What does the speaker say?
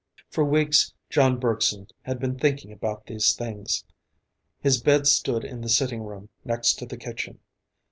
For weeks, John Bergson had been thinking about these things. His bed stood in the sitting room, next to the kitchen.